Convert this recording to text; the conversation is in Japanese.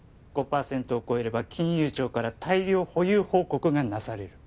５％を超えれば金融庁から大量保有報告がなされる